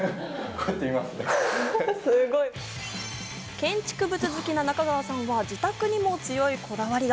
建築物好きな中川さんは、自宅にも強いこだわりが。